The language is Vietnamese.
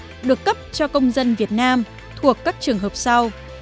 hộ chiếu được cấp cho công dân việt nam thuộc các trường hợp sau